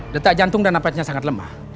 detak jantung dan nafasnya sangat lemah